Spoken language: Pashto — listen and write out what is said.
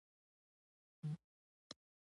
په شلمه پېړۍ کې هم کارګرانو پر لاس کار کاوه.